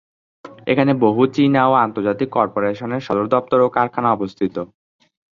এখানে বহু চীনা ও আন্তর্জাতিক কর্পোরেশনের সদর দপ্তর ও কারখানা অবস্থিত।